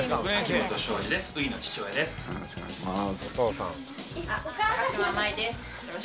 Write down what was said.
よろしくお願いします。